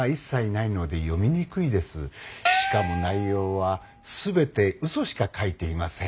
しかも内容は全てウソしか書いていません。